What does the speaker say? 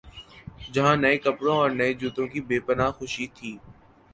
جہاں نئے کپڑوں اورنئے جوتوں کی بے پنا ہ خوشی تھی۔